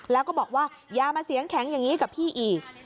แล้วก็บอกว่าอย่ามาเสียงแข็งอย่างนี้กับพี่อีก